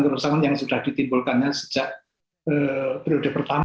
pada awal periode pertama